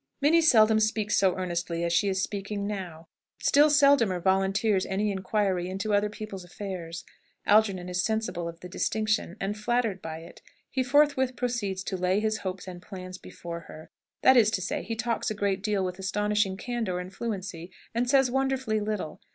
Minnie seldom speaks so earnestly as she is speaking now; still seldomer volunteers any inquiry into other people's affairs. Algernon is sensible of the distinction, and flattered by it. He forthwith proceeds to lay his hopes and plans before her; that is to say, he talks a great deal with astonishing candour and fluency, and says wonderfully little.